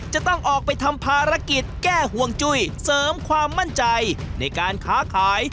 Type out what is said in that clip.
จะต้องออกไปทำภารกิจแก้ห่วงจุ้ยเสริมความมั่นใจในการค้าขาย